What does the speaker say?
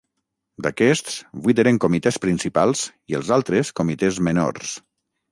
D'aquests, vuit eren comitès principals i els altres, comitès menors.